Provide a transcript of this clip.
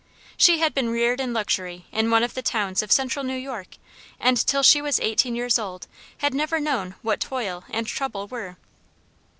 She had been reared in luxury in one of the towns of central New York, and till she was eighteen years old had never known what toil and trouble were.